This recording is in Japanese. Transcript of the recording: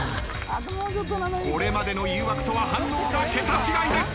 これまでの誘惑とは反応が桁違いです。